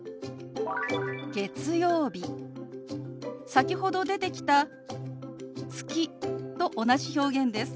先ほど出てきた「月」と同じ表現です。